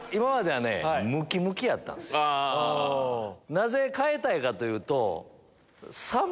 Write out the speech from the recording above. なぜ変えたいかというと。